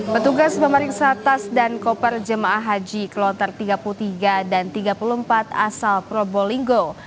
petugas pemeriksa tas dan koper jemaah haji kloter tiga puluh tiga dan tiga puluh empat asal probolinggo